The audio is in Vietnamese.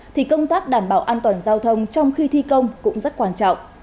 thì công tác đảm bảo an toàn giao thông trong khi thi công cũng rất quan trọng